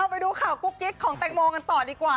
ไปดูข่าวกุ๊กกิ๊กของแตงโมกันต่อดีกว่า